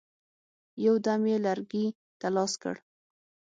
یو دم یې لرګي ته لاس کړ.